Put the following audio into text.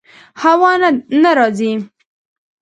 هوا نه راځي